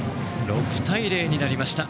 ６対０になりました。